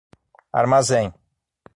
Armazém